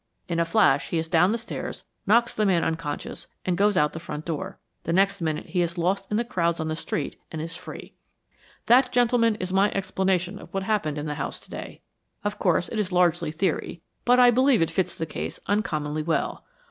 In a flash he is down the stairs, knocks the man unconscious, and goes out the front door. The next minute he is lost in the crowds on the street and is free." "That, gentlemen, is my explanation of what happened in the house today. Of course, it is largely theory, but I believe it fits the case uncommonly well."